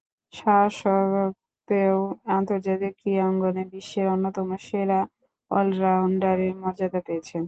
তাস্বত্ত্বেও আন্তর্জাতিক ক্রীড়াঙ্গনে বিশ্বের অন্যতম সেরা অল-রাউন্ডারের মর্যাদা পেয়েছেন।